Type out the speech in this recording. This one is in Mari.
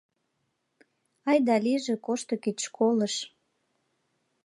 Айда-лийже кошто кеч школыш